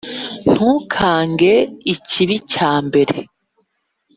ntukange ikibi cya mbere.